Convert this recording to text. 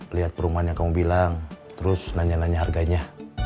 lihat perumahan yang kamu bilang terus nanya nanya harganya